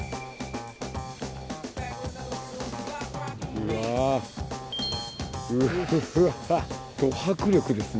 うわど迫力ですね。